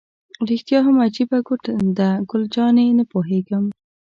رښتیا هم عجیبه کوټه ده، ګل جانې: نه پوهېږم.